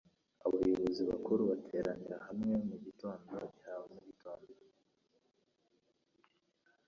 Abayobozi bakuru bateranira hamwe mugitondo cya mugitondo.